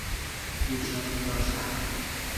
پیشانی داشتن